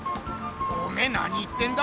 おめえ何言ってんだ？